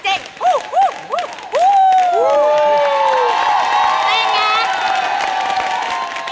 เต้นไง